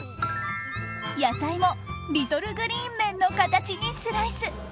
野菜もリトル・グリーン・メンの形にスライス。